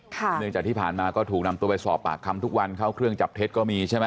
เนื่องจากที่ผ่านมาก็ถูกนำตัวไปสอบปากคำทุกวันเข้าเครื่องจับเท็จก็มีใช่ไหม